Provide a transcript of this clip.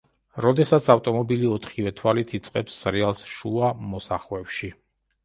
როდესაც ავტომობილი ოთხივე თვალით იწყებს სრიალს შუა მოსახვევში.